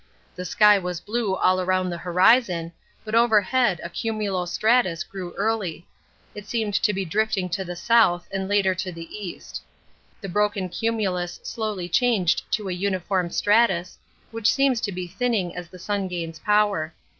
The sky was blue all around the horizon, but overhead a cumulo stratus grew early; it seemed to be drifting to the south and later to the east. The broken cumulus slowly changed to a uniform stratus, which seems to be thinning as the sun gains power.